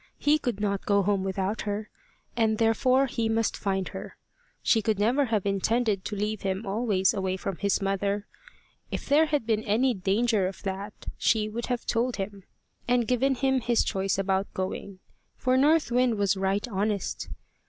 He could not go home without her, and therefore he must find her. She could never have intended to leave him always away from his mother. If there had been any danger of that, she would have told him, and given him his choice about going. For North Wind was right honest.